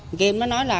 nguyễn kim nói là